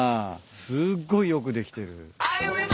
すっごいよくできてる。